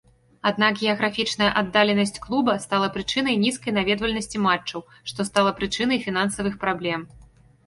Аднак геаграфічная аддаленасць клуба стала прычынай нізкай наведвальнасці матчаў, што стала прычынай фінансавых праблем.